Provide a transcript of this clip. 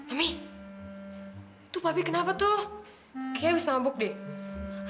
mami mami tuh papi kenapa tuh kayaknya habis mabuk deh